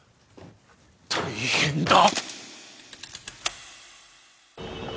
大変だ！